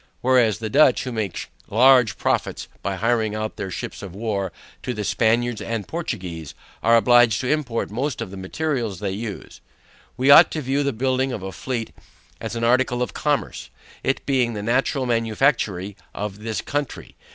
Whereas the Dutch, who make large profits by hiring out their ships of war to the Spaniards and Portuguese, are obliged to import most of the materials they use. We ought to view the building a fleet as an article of commerce, it being the natural manufactory of this country.